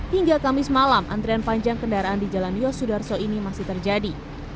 hingga kamis malam antrian panjang kendaraan di jalan yosudarso ini masih terjadi